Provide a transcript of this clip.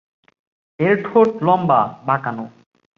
এর ঠোঁট লম্বা, বাঁকানো।